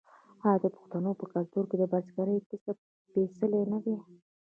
آیا د پښتنو په کلتور کې د بزګرۍ کسب سپیڅلی نه دی؟